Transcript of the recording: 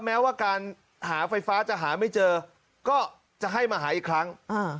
แม้ว่าการหาไฟฟ้าจะหาไม่เจอก็จะให้มาหาอีกครั้ง